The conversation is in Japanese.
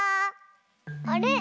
あれ？